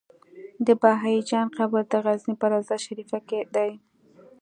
د بهايي جان قبر د غزنی په روضه شريفه کی دی